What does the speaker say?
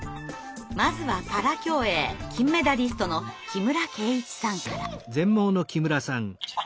まずはパラ競泳金メダリストの木村敬一さんから。